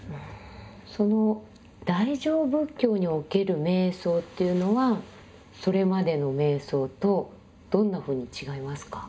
その大乗仏教における瞑想というのはそれまでの瞑想とどんなふうに違いますか？